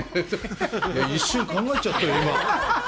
一瞬、考えちゃったよ。